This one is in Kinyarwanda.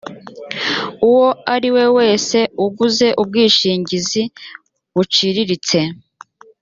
uwo ari we wese uguze ubwishingizi buciriritse